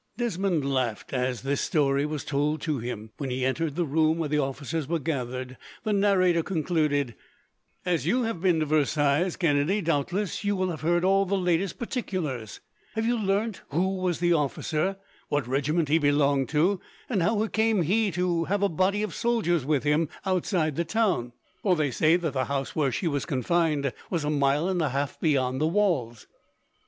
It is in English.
Desmond laughed, as this story was told to him, when he entered the room where the officers were gathered. The narrator concluded: "As you have been to Versailles, Kennedy, doubtless you will have heard all the latest particulars. Have you learnt who was the officer, what regiment he belonged to, and how came he to have a body of soldiers with him, outside the town? For they say that the house where she was confined was a mile and a half beyond the walls."